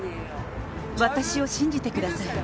私を信じてください。